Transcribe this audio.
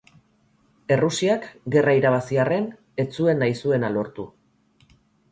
Errusiak, gerra irabazi arren, ez zuen nahi zuena lortu.